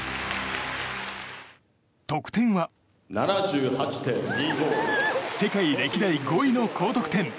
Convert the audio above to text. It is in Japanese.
得点は世界歴代５位の高得点！